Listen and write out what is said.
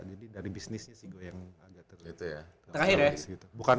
jadi dari bisnisnya sih gue yang agak terakhir ya